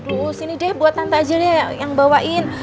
aduh sini deh buat tante aja nih yang bawain